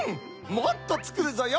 もっとつくるぞよ。